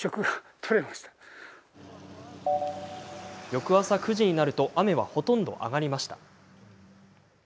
翌朝９時になると雨は、ほとんど上がりました。